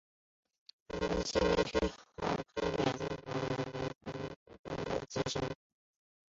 一些媒体看好北京国安在客场打破广州恒大的不败金身。